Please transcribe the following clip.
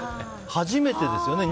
初めてですよね。